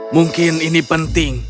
mungkin ini penting